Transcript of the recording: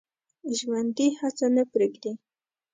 ژوندي هڅه نه پرېږدي